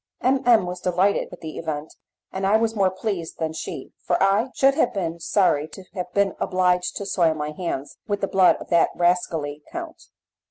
M. M. was delighted with the event, and I was more pleased than she, for I should have been sorry to have been obliged to soil my hands with the blood of that rascally count.